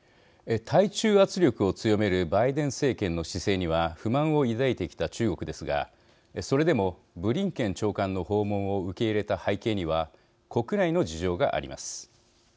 対中圧力を強めるバイデン政権の姿勢には不満を抱いてきた中国ですがそれでもブリンケン長官の訪問を受け入れた背景には国内の事情があります。